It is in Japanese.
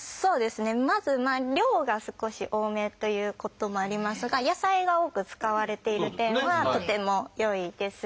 まず量が少し多めということもありますが野菜が多く使われている点はとても良いです。